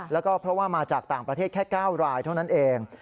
แล้วก็เพราะว่ามาจากต่างประเทศแค่๙รายเท่านั้นเอง